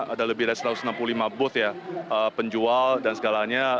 ada lebih dari satu ratus enam puluh lima booth ya penjual dan segalanya